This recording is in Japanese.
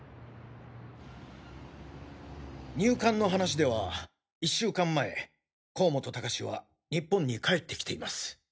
入管の話では１週間前甲本高士は日本に帰ってきています。